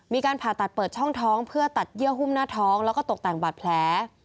มีการผ่าตัดเปิดช่องท้องเพื่อตัดเยื่อหุ้มหน้าท้องแล้วก็ตกแต่งบาดแผล